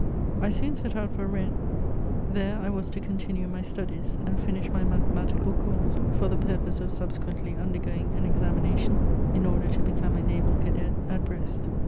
I soon set out for Rennes; there I was to continue my studies, and finish my mathematical course for the purpose oi suhsequently unde^oing an examination in order to h^me a naval cadet at Brest.